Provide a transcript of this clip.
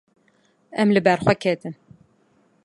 Em li ber xwe ketin.